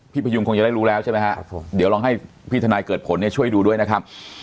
พยุงคงจะได้รู้แล้วใช่ไหมครับผมเดี๋ยวลองให้พี่ทนายเกิดผลเนี่ยช่วยดูด้วยนะครับ